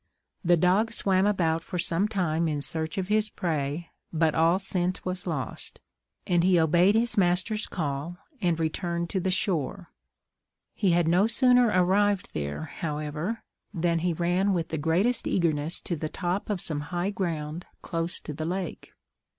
The dog swam about for some time in search of his prey, but all scent was lost, and he obeyed his master's call, and returned to the shore. He had no sooner arrived there, however, than he ran with the greatest eagerness to the top of some high ground close to the lake.